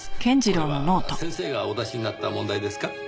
これは先生がお出しになった問題ですか？